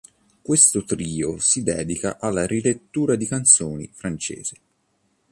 Questo trio si dedica alla rilettura di canzoni francese.